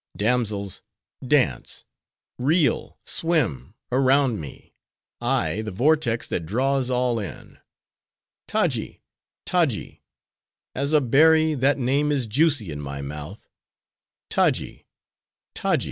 Damsels! dance; reel, swim, around me:—I, the vortex that draws all in. Taji! Taji!— as a berry, that name is juicy in my mouth!—Taji, Taji!"